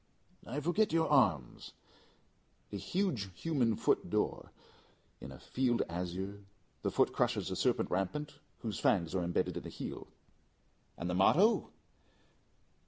"I forget your arms." "A huge human foot d'or, in a field azure; the foot crushes a serpent rampant whose fangs are imbedded in the heel." "And the motto?"